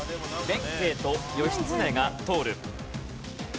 弁慶と義経が通る。